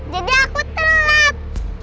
jadi aku telat